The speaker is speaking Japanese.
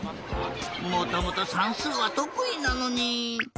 もともとさんすうはとくいなのに。